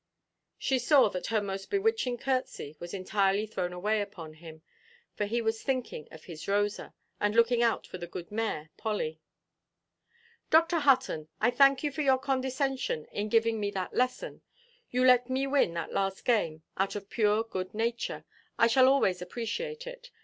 She saw that her most bewitching curtsey was entirely thrown away upon him; for he was thinking of his Rosa, and looking out for the good mare, Polly. "Dr. Hutton, I thank you for your condescension, in giving me that lesson. You let me win that last game out of pure good nature. I shall always appreciate it.